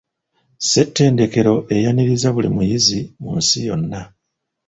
Ssetendekero eyaniriza buli muyizi mu nsi yonna.